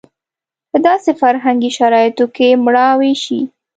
په داسې فرهنګي شرایطو کې مړاوې شي.